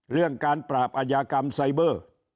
เรื่องการปราบอายากรรมไซเบอร์